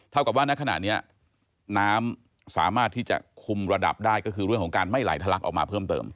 กับว่าณขณะนี้น้ำสามารถที่จะคุมระดับได้ก็คือเรื่องของการไม่ไหลทะลักออกมาเพิ่มเติม